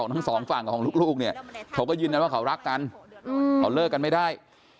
ทั้งสองฝั่งของลูกเนี่ยเขาก็ยืนยันว่าเขารักกันเขาเลิกกันไม่ได้